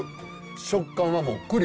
食感はもうクリ。